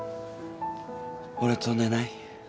俺と寝ない？